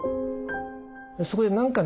そこで何かね